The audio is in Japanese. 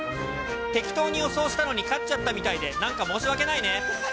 適当に予想したのに勝っちゃったみたいで、なんか申し訳ないね。